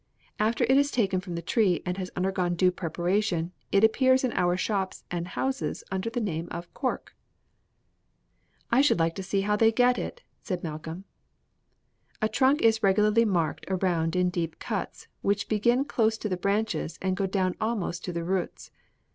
After it is taken from the tree and has undergone due preparation, it appears in our shops and houses under the name of cork" "I should like to see how they get it," said Malcolm. "The trunk is regularly marked around in deep cuts, which begin close to the branches and go down almost to the roots.